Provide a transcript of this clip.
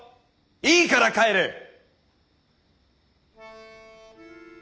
いいから帰れッ！